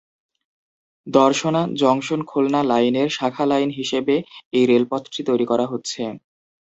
দর্শনা জংশন-খুলনা লাইনের শাখা লাইন হিসেবে এই রেলপথটি তৈরি করা হচ্ছে।